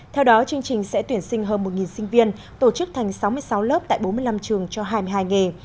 theo đó chương trình sẽ tuyển sinh hơn một sinh viên tổ chức thành sáu mươi sáu lớp tại bốn mươi năm trường cho hai mươi hai nghề